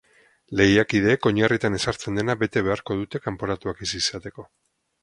Lehiakideek oinarrietan ezartzen dena bete beharko dute kanporatuak ez izateko.